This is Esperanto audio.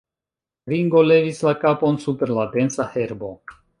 Ringo levis la kapon super la densa herbo.